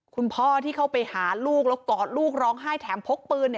คุณพ่อที่เข้าไปหาลูกแล้วกอดลูกร้องไห้แถมพกปืน